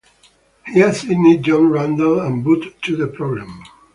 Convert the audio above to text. He assigned John Randall and Boot to the problem.